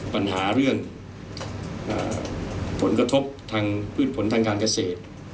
ปัญหาเรื่องผลกระทบทางพืชผลทางการเกษตร